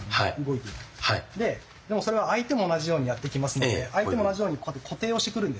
でもそれは相手も同じようにやってきますので相手も同じように固定をしてくるんですね。